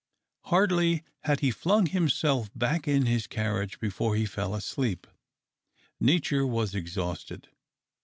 Hardly had he flung himself back in his carriage before he fell asleep. Nature was exhausted.